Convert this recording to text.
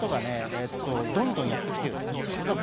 どんどんとやってきていると。